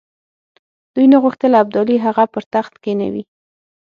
دوی نه غوښتل ابدالي هغه پر تخت کښېنوي.